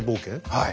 はい。